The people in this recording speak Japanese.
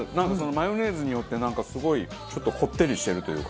マヨネーズによってなんかすごいちょっとこってりしてるというか。